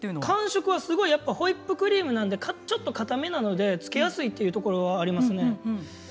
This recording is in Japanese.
感触はすごいやっぱホイップクリームなんでちょっとかためなのでつけやすいっていうところはありますね。